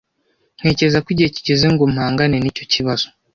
Ntekereza ko igihe kigeze ngo mpangane nicyo kibazo.